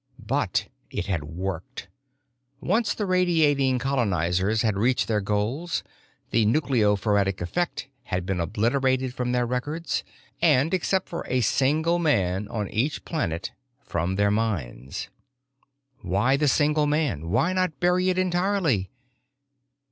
But it had worked. Once the radiating colonizers had reached their goals, the nucleophoretic effect had been obliterated from their records and, except for a single man on each planet, from their minds. Why the single man? Why not bury it entirely?